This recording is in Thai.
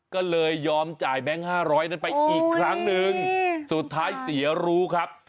ก็เลยยอมจ่ายแบงค์๕๐๐นั้นไปอีกครั้งหนึ่งสุดท้ายเสียรู้ครับ